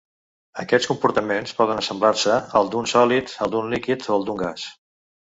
Aquests comportaments poden assemblar-se al d'un sòlid, al d'un líquid o al d'un gas.